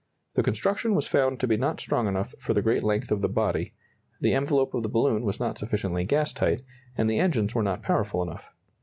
The construction was found to be not strong enough for the great length of the body, the envelope of the balloon was not sufficiently gas tight, and the engines were not powerful enough.